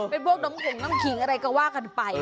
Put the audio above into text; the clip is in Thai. เป็นพวกน้องหงานเขียงอะไรก็ว่ากันไป